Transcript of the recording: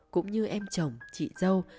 cũng như em chồng chị dâu